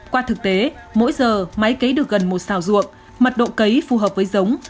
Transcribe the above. qua thực tế mỗi giờ máy cấy được gần một xào ruộng mật độ cấy phù hợp với giống